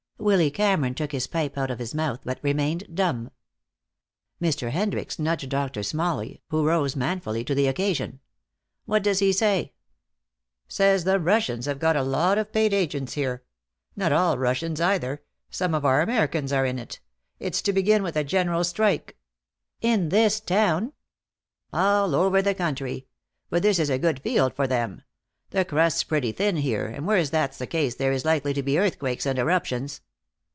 Willy Cameron took his pipe out of his mouth, but remained dumb. Mr. Hendricks nudged Doctor Smalley, who rose manfully to the occasion. "What does he say?" "Says the Russians have got a lot of paid agents here. Not all Russians either. Some of our Americans are in it. It's to begin with a general strike." "In this town?" "All over the country. But this is a good field for them. The crust's pretty thin here, and where that's the case there is likely to be earthquakes and eruptions.